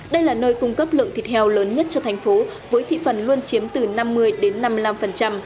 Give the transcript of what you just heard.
đây là nơi cung cấp lượng thịt heo lớn nhất cho thành phố với thị phần luôn chiếm từ năm mươi đến năm mươi năm